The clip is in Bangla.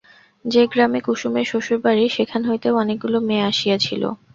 যে গ্রামে কুসুমের শ্বশুরবাড়ি সেখান হইতেও অনেকগুলি মেয়ে আসিয়াছিল।